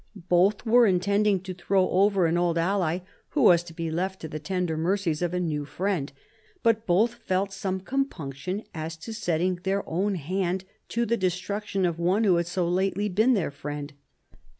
Both were intending to throw over an old ally, who was to be left to the tender mercies of a new friend; but both felt some compunction as to setting their own hand to the destruction of one who had so lately been their friend.